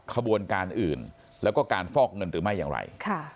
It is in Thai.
ขบวนการอื่นแล้วก็การฟอกเงินหรือไม่อย่างไร